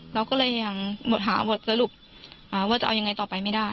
เราก็เลยยังหาบทสรุปว่าจะเอายังไงต่อไปไม่ได้